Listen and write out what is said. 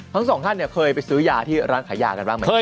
ทั้งสองท่านเคยซื้อยาที่ร้านขายยากันบ้างมั้ย